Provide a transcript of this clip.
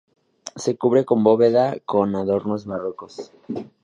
Se cubre con bóveda con adornos barrocos.